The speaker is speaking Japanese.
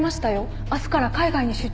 明日から海外に出張なので